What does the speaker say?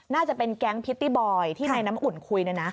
น่าจะเป็นแก๊งพิตตี้บอยที่ในน้ำอุ่นคุยนะนะ